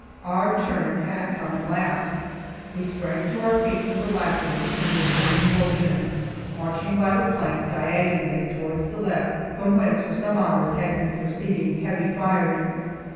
Our turn had come at last. We sprang to our feet with alacrity, and were soon in motion, marching by the flank diagonally towards the left, from whence, for some hours, had been proceeding heavy firing.